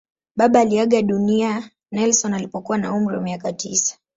Baba aliaga dunia Nelson alipokuwa na umri wa miaka tisa.